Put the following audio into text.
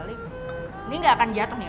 ini nggak akan jatuh ya pak